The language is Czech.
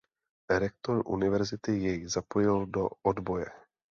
Rektor university jej zapojil do odboje.